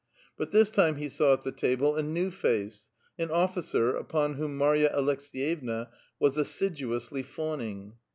But this time he saw at the table a new face, — an officer, upon whom Marya Aleks^.vevna was assiduously fawning.